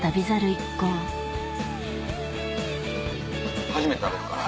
一行初めて食べるから？